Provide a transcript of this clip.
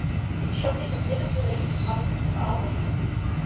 It showcase exhibits related to the province of Davao Oriental.